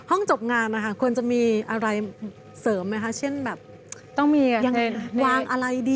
ห้องจบงานควรจะมีอะไรเสริมไหมคะเช่นยังพิวังอะไรดี